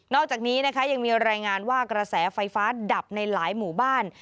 อกจากนี้นะคะยังมีรายงานว่ากระแสไฟฟ้าดับในหลายหมู่บ้าน